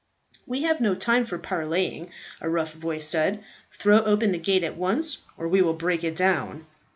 "We have no time for parleying," a rough voice said. "Throw open the gate at once, or we will break it down."